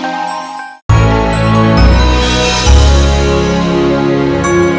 eh ini angkotnya dari datang